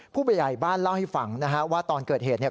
ผู้ใหญ่บ้านเล่าให้ฟังนะฮะว่าตอนเกิดเหตุเนี่ย